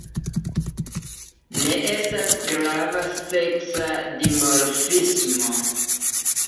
Ne estas grava seksa dimorfismo.